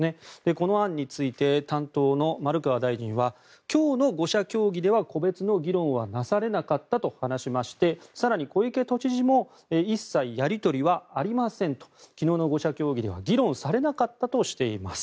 この案について担当の丸川大臣は今日の５者協議では個別の議論はなされなかったと話しまして更に小池都知事も一切やり取りはありませんと昨日の５者協議では議論されなかったとしています。